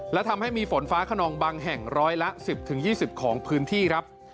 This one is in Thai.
และทำให้มีฝนฟ้าขนองบางแห่งร้อยละ๑๐๒๐ของพื้นที่ครับ